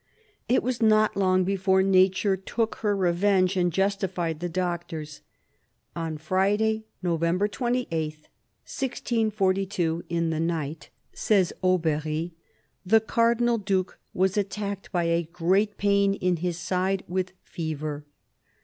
It was not long before Nature took her revenge and justified the doctors. " On Friday, November 28, 1642, in the night," says Aubery, " the Cardinal Due was attacked by a great pain in his side with fever.